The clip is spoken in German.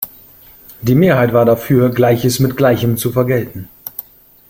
Die Mehrheit war dafür, Gleiches mit Gleichem zu vergelten.